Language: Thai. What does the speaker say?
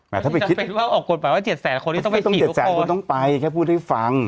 แต่ถ้าไปคิดเจ็ดแสนคนคงต้องไป๔๕๖คนแค่พูดให้ฟัง